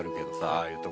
あいうとこ。